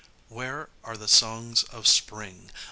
3. Where are the songs of Spring?